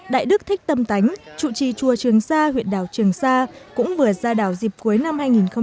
đại đức thích tâm tánh chủ trì chùa trường sa huyện đảo trường sa cũng vừa ra đảo dịp cuối năm hai nghìn một mươi chín